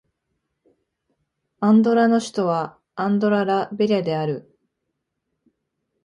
アンドラの首都はアンドラ・ラ・ベリャである